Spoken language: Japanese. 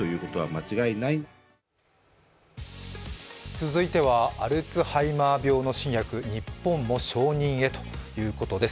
続いてはアルツハイマー病の新薬日本も承認へということです。